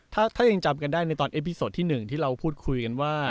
ถ้ายังจำกันได้ในตอนเอพีสดที่๑ที่เราพูดคุยกันว่า